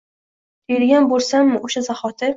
Deydigan bo’lsammi, o’sha zahoti